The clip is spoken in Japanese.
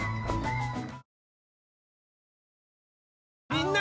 みんな！